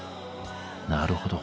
なるほど。